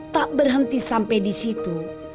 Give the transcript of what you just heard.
tak berhenti sampai di situ